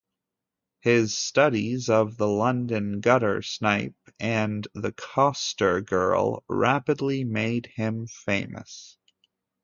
His studies of the London guttersnipe and the coster-girl rapidly made him famous.